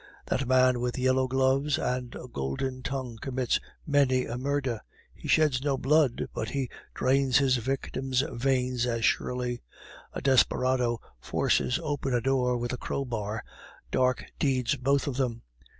That man with yellow gloves and a golden tongue commits many a murder; he sheds no blood, but he drains his victim's veins as surely; a desperado forces open a door with a crowbar, dark deeds both of them!